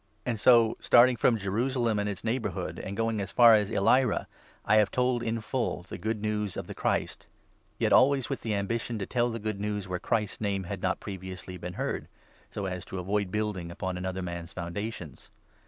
And so, starting from Jerusalem and its neigh bourhood, and going as far as Illyria, I have told in full the Good News of the Christ ; yet always with the ambition to tell 20 the Good News where Christ's name had not previously been heard, so as to avoid building upon another man's foundations.